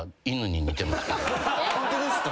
ホントですか？